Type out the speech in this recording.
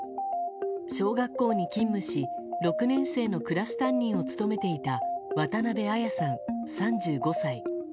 小学校に勤務し６年生のクラス担任を務めていた渡辺彩さん、３５歳。